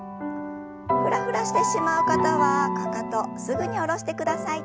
フラフラしてしまう方はかかとすぐに下ろしてください。